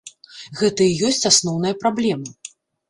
Гэта і ёсць асноўная праблема.